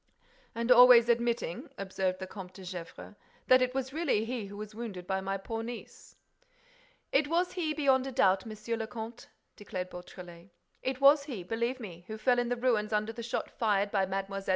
"And always admitting," observed the Comte de Gesvres, "that it was really he who was wounded by my poor niece." "It was he, beyond a doubt, Monsieur le Comte," declared Beautrelet; "it was he, believe me, who fell in the ruins under the shot fired by Mlle.